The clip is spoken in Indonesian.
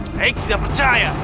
eh tidak percaya